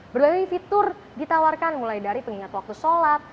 berbagai fitur ditawarkan mulai dari pengingat waktu sholat